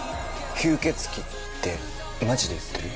吸血鬼ってマジで言ってる？